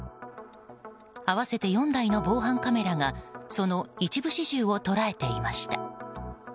合わせて４台の防犯カメラがその一部始終を捉えていました。